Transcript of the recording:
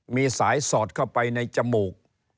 มีสายสอดเข้าไปในจมูก